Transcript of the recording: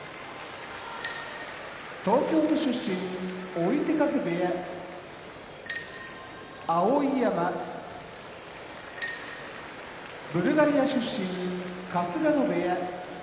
東京都出身追手風部屋碧山ブルガリア出身春日野部屋